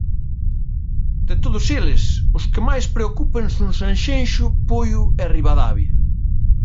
De todos eles, os que máis preocupan son Sanxenxo, Poio e Ribadavia.